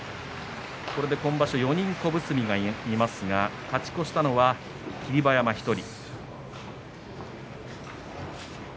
これで今場所４人小結がいますが勝ち越したのは霧馬山１人。